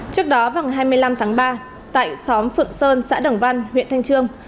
trước đó vào ngày hai mươi năm tháng ba tại xóm phượng sơn xã đồng văn huyện thanh trương